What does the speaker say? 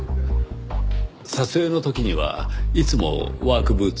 撮影の時にはいつもワークブーツを？